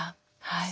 はい。